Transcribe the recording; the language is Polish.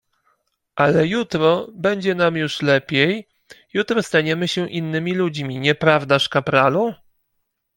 "Ale jutro będzie nam już lepiej; jutro staniemy się innymi ludźmi, nieprawdaż kapralu?"